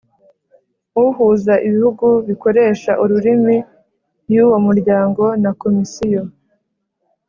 Uhuza ibihugu bikoresha ururimi y uwo muryango na komisiyo